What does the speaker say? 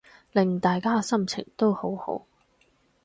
令大家心情都好好